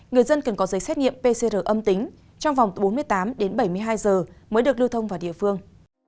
người dân cần có giấy xét nghiệm pcr âm tính trong vòng bốn mươi tám đến bảy mươi hai giờ mới được lưu thông vào địa phương